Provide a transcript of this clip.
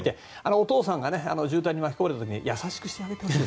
お父さんが渋滞に巻き込まれた時に優しくしてあげてね。